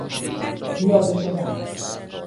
پیاده شدن